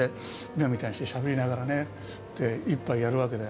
今みたいにしてしゃべりながらね一杯やるわけだよ。